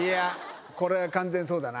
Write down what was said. これは完全にそうだな。